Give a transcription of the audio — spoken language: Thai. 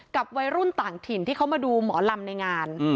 วัยรุ่นต่างถิ่นที่เขามาดูหมอลำในงาน